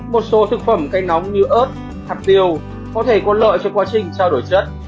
một số thực phẩm cây nóng như ớt hạt điều có thể có lợi cho quá trình trao đổi chất